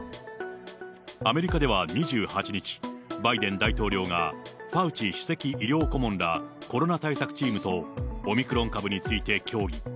アメリカでは２８日、バイデン大統領がファウチ主席医療顧問らコロナ対策チームとオミクロン株について協議。